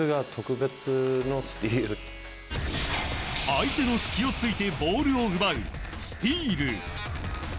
相手の隙を突いてボールを奪うスティール。